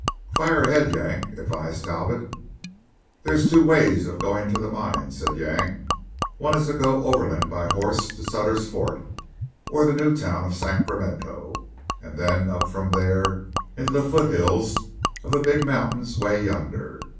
"Fire ahead, Yank," advised Talbot. "There's two ways of going to the mines," said Yank: "One is to go overland by horses to Sutter's Fort or the new town of Sacramento, and then up from there into the foothills of the big mountains way yonder.